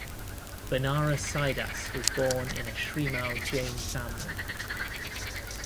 Banarasidas was born in a Shrimal Jain family.